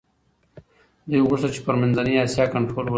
دوی غوښتل چي پر منځنۍ اسیا کنټرول ولري.